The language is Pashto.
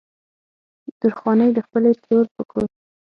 درخانۍ د خپلې ترور په کور